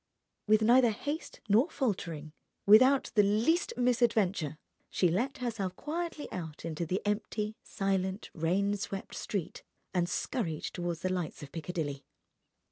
With neither haste nor faltering, without the least misadventure, she let herself quietly out into the empty, silent, rain swept street, and scurried toward the lights of Piccadilly.